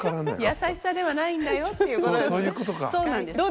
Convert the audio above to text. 優しさではないんだよっていうことですね。